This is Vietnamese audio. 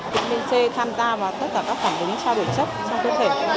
vitamin c tham gia vào tất cả các phản ứng trao đổi chất trong cơ thể